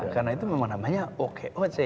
karena itu memang namanya okoc